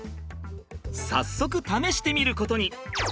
早速試してみることに。